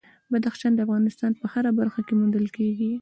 بدخشان د افغانستان په هره برخه کې موندل کېږي.